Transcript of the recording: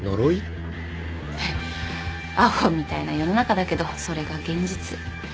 フッアホみたいな世の中だけどそれが現実。